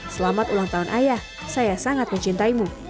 selamat ulang tahun ayah saya sangat mencintaimu